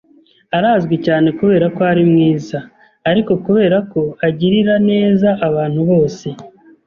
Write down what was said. Arazwi cyane kubera ko ari mwiza, ariko kubera ko agirira neza abantu bose.